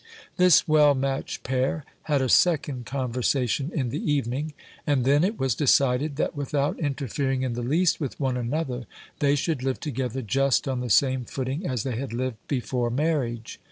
This well matched pair had a second conversation in the evening ; and then it was decided that without interfering in the least with one another, they should live together just on the same footing as they had lived before mar riage.